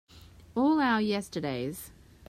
All our yesterdays